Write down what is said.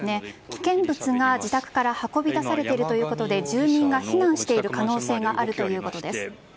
危険物が自宅から運び出されているということで住民が避難している可能性があるということです。